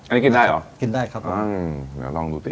นี่กินได้หรอบ๊วยกินได้ครับผมแล้วลองดูสิ